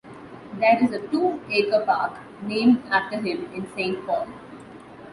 There is a two-acre park named after him in Saint Paul.